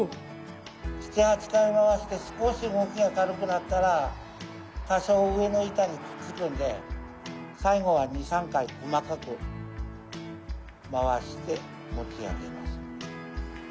７８回回して少し動きが軽くなったら多少上の板にくっつくんで最後は２３回細かく回して持ち上げます。